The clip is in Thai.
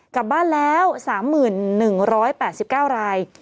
กลับบ้านแล้ว๓๑๘๙ราย